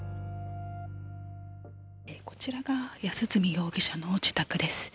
こちらが安栖容疑者の自宅です。